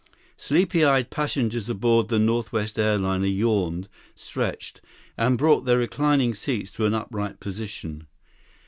Sleepy eyed passengers aboard the Northwest airliner yawned, stretched, and brought their reclining seats to an upright position.